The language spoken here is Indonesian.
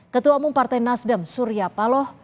ketua umum partai nasdem surya paloh